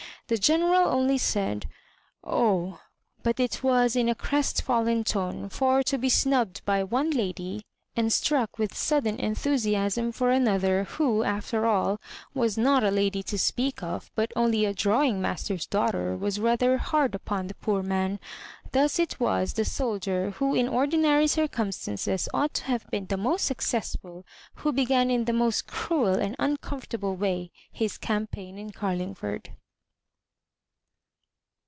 The Gene ral only said, " Oh !" but it was in a crestfallen tone; for to be snubbed by one lady, and struck with sudden enthusiasm for another, who, after all, was not a lady to speak o^ but only a draw ing master^s daughter, was rather hard upon the poor man. Thus it was the soldier, who in ordi nary circumstances ought to have been the most successful, who began in the most cruel and un comfortable way his campaign in Carlingford.